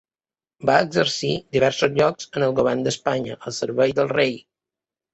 Va exercir diversos llocs en el govern d'Espanya al servei del rei.